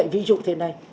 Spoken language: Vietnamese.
ví dụ như thế này